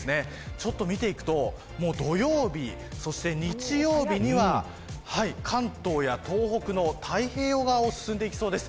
ちょっと見ていくと土曜日、日曜日には関東や東北の太平洋側を進んでいきそうです。